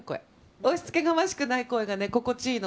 押しつけがましくない声が心地いいの。